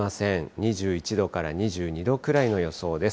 ２１度から２２度くらいの予想です。